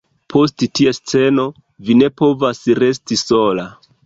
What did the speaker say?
Post tia sceno, vi ne povas resti sola.